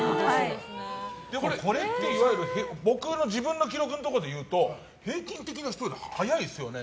これっていわゆる自分の記録のとこで言うと平均的な人より速いですよね。